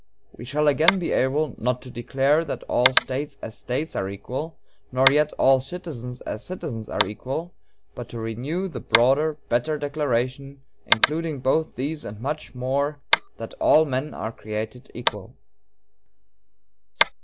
We shall again be able, not to declare that 'all States as States are equal,' nor yet that 'all citizens as citizens are equal,' but to renew the broader, better declaration, including both these and much more, that 'all men are created equal.'"